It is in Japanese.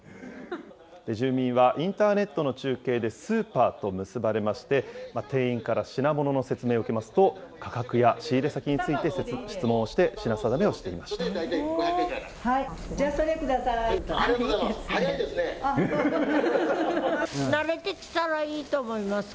住民は、インターネットの中継でスーパーと結ばれまして、店員から品物の説明を受けますと、価格や仕入れ先について質問をして、じゃあ、それください。ありがとうございます。